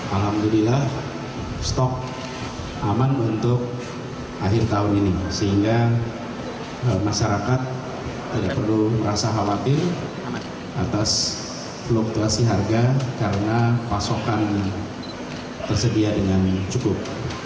alhamdulillah stok aman untuk akhir tahun ini sehingga masyarakat tidak perlu merasa khawatir atas fluktuasi harga karena pasokan tersedia dengan cukup